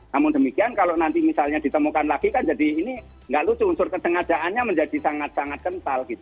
namun demikian kalau nanti misalnya ditemukan lagi kan jadi ini nggak lucu unsur kesengajaannya menjadi sangat sangat kental gitu